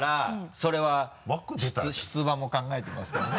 それは出馬も考えてますかね？